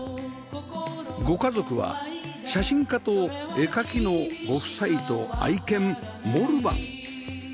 ご家族は写真家と絵描きのご夫妻と愛犬モルバン